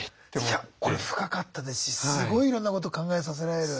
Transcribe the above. いやこれ深かったですしすごいいろんなこと考えさせられる。